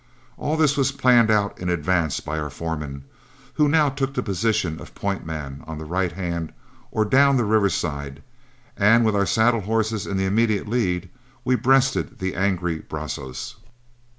All this was planned out in advance by our foreman, who now took the position of point man on the right hand or down the riverside; and with our saddle horses in the immediate lead, we breasted the angry Brazos.